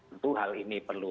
tentu hal ini perlu